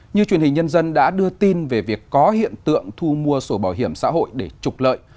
như truyền hình nhân dân đã đưa tin về việc có hiện tượng thu mua sổ bảo hiểm xã hội để trục lợi